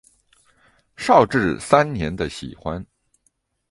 绍治三年的喜欢。